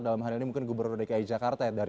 dalam hal ini mungkin gubernur dki jakarta ya dari